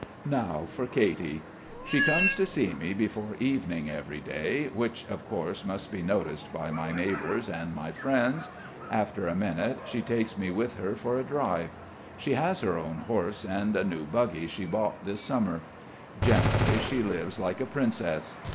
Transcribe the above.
Now for Katy. She comes to see me before evening every day, which of course must be noticed by my neighbours and my friends. After a minute she takes me with her for a drive. She has her own horse and a new buggy she bought this summer. Generally she lives like a princess.